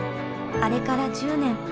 あれから１０年。